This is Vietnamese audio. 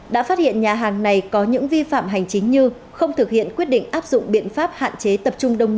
đã phát hiện nhà hàng này có những vi phạm hành chính như không thực hiện quyết định áp dụng biện pháp